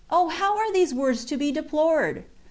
how are these words to be deplored